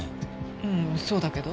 うんそうだけど？